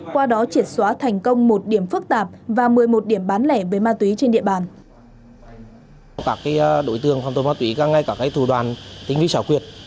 qua đó triệt xóa thành công một điểm phức tạp và một mươi một điểm bán lẻ